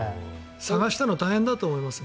探したの大変だと思います。